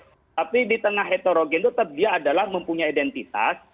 tapi di tengah heterogen tetap dia adalah mempunyai identitas